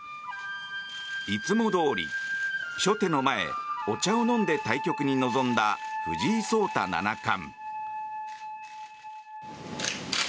いつもどおり、初手の前お茶を飲んで対局に臨んだ藤井聡太七冠。